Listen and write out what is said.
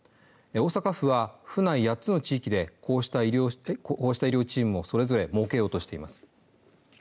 大阪府は府内８つの地域でこうした医療チームをそれぞれ設けようとしています。